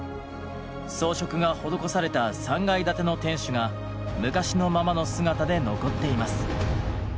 装飾が施された３階建ての天守が昔のままの姿で残っています。